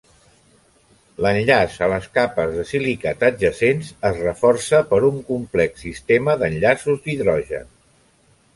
L'enllaç a les capes de silicat adjacents es reforça per un complex sistema d'enllaços d'hidrogen.